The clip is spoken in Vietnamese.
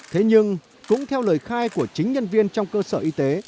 thế nhưng cũng theo lời khai của chính nhân viên trong cơ sở y tế